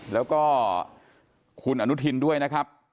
แล้วก็คุณอนุทินด้วยนะครับ